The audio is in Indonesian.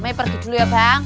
may pergi dulu ya bang